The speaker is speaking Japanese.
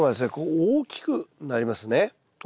大きくなります。